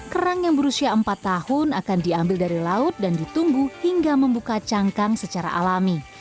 kerang yang berusia empat tahun akan diambil dari laut dan ditunggu hingga membuka cangkang secara alami